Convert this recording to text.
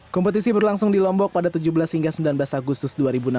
kompetisi berlangsung di lombok pada tujuh belas hingga sembilan belas agustus dua ribu enam belas